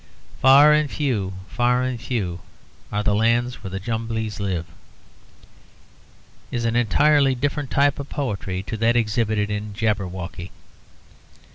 'Far and few, far and few, Are the lands where the Jumblies live,' is an entirely different type of poetry to that exhibited in 'Jabberwocky.'